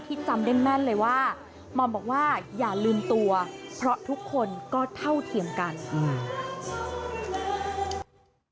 จำได้แม่นเลยว่าหม่อมบอกว่าอย่าลืมตัวเพราะทุกคนก็เท่าเทียมกันอืม